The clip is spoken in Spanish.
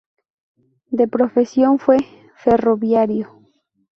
De profesión fue ferroviario.